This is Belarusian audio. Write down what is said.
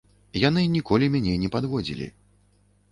Яны ніколі мяне не падводзілі.